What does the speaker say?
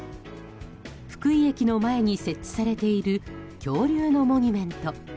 福井駅の前に設置されている恐竜のモニュメント。